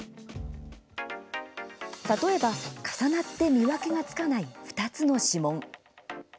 例えば、重なって見分けがつかない２つの指紋。